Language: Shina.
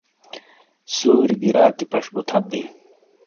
سُوری گی راتی پش بو تھپ بیئں۔